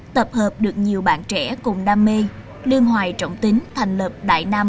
tập hợp được nhiều bạn trẻ cùng đam mê lương hoài trọng tính thành lập đại nam